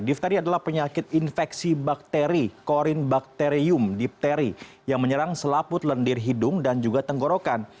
difteri adalah penyakit infeksi bakteri korin bakterium dipteri yang menyerang selaput lendir hidung dan juga tenggorokan